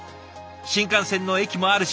新幹線の駅もあるし